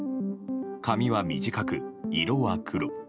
髪は短く、色は黒。